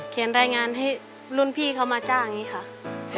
รายงานให้รุ่นพี่เขามาจ้างอย่างนี้ค่ะ